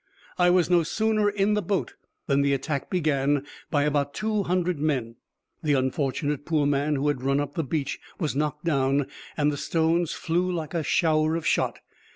I was no sooner in the boat than the attack began by about two hundred men; the unfortunate poor man who had run up the beach was knocked down, and the stones flew like a shower of shot.